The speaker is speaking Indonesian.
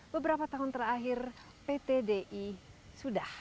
beberapa tahun terakhir pt di sudah